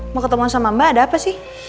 mau ketemuan sama mbak ada apa sih